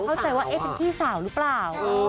เข้าใจว่าเอ๊ะเป็นพี่สาวหรือเปล่า